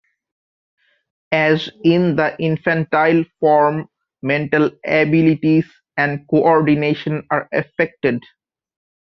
As in the infantile form, mental abilities and coordination are affected.